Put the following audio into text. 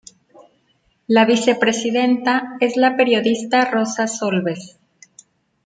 La vicepresidenta es la periodista Rosa Solbes.